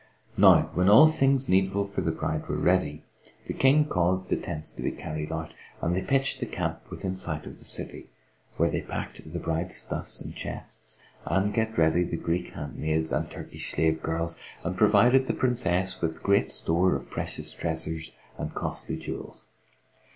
Now when all things needful for the bride were ready, the King caused the tents to be carried out and they pitched the camp within sight of the city, where they packed the bride's stuffs in chests and get ready the Greek handmaids and Turkish slave girls, and provided the Princess with great store of precious treasures and costly jewels.